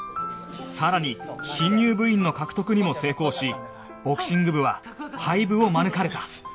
さらに新入部員の獲得にも成功しボクシング部は廃部を免れた